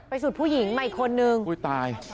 สุดผู้หญิงมาอีกคนนึงอุ้ยตาย